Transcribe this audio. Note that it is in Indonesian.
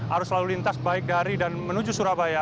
arus lalu lintas baik dari dan menuju surabaya